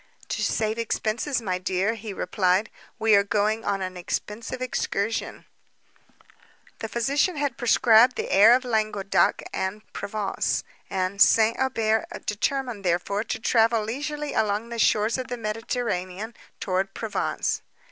"To save expences, my dear," he replied—"we are going on an expensive excursion." The physician had prescribed the air of Languedoc and Provence; and St. Aubert determined, therefore, to travel leisurely along the shores of the Mediterranean, towards Provence.